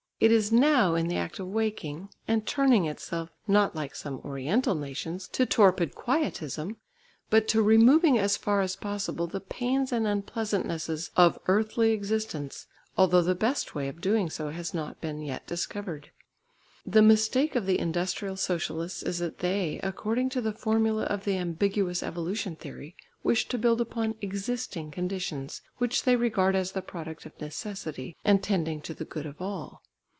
It is now in the act of waking and turning itself, not like some oriental nations, to torpid quietism, but to removing as far as possible the pains and unpleasantnesses of earthly existence, although the best way of doing so has not been yet discovered. The mistake of the industrial socialists is that they, according to the formula of the ambiguous evolution theory, wish to build upon existing conditions, which they regard as the product of necessity, and tending to the good of all.